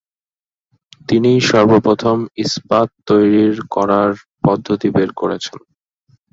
তিনিই সর্বপ্রথম ইস্পাত তৈরী করার পদ্ধতি বের করেছেন।